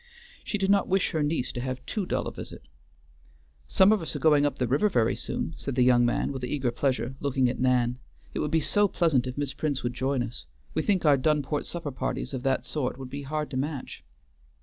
She did not wish her niece to have too dull a visit. "Some of us are going up the river very soon," said the young man, with eager pleasure, looking at Nan. "It would be so pleasant if Miss Prince would join us. We think our Dunport supper parties of that sort would be hard to match."